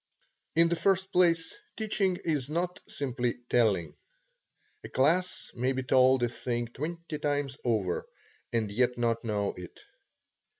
In the first place, teaching is not simply telling. A class may be told a thing twenty times over, and yet not know it.